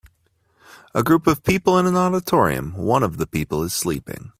a group of people in an auditorium one of the people is sleeping